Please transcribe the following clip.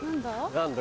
何だ？